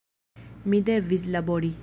Mi devis labori.